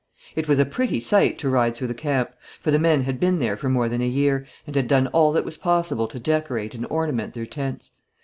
It was a pretty sight to ride through the camp, for the men had been there for more than a year, and had done all that was possible to decorate and ornament their tents.